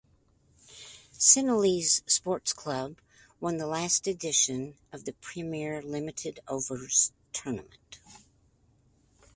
Sinhalese Sports Club won the last edition of the Premier Limited Overs Tournament.